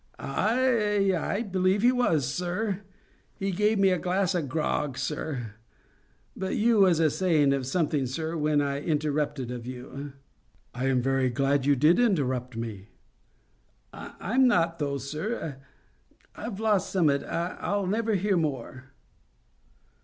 "I believe he was, sir. He gave me a glass o' grog, sir. But you was a sayin' of something, sir, when I interrupted of you." "I am very glad you did interrupt me." "I'm not though, sir. I Ve lost summat I'll never hear more."